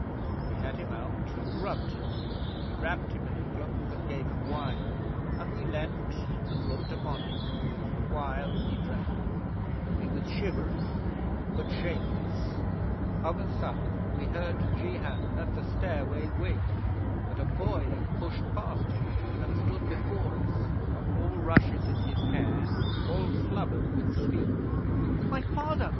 'We had him out, and rubbed him; we wrapped him in a cloak, and gave him wine, and we leaned and looked upon him, the while he drank. He was shivering, but shameless. 'Of a sudden we heard Jehan at the stairway wake, but a boy pushed past him, and stood before us, the hall rushes in his hair, all slubbered with sleep. "My father!